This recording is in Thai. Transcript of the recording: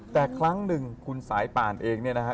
แต่ครั้งหนึ่งคุณสายป่านเองเนี่ยนะฮะ